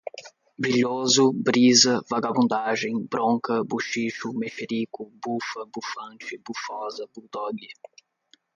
brilhoso, brisa, vagabundagem, bronca, buchicho, mexerico, bufa, bufante, bufósa, buldogue